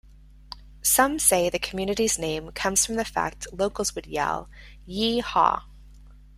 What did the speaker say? Some say the community's name comes from the fact locals would yell Yeehaw!